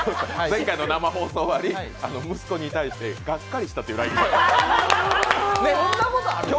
前回の生放送終わり、息子に対して、「がっかりした」というＬＩＮＥが来たという。